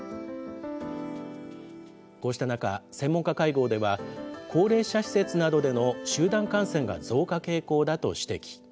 こうした中、専門家会合では、高齢者施設などでの集団感染が増加傾向だと指摘。